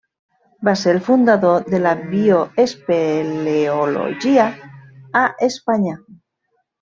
Va ser el fundador de la bioespeleologia a Espanya.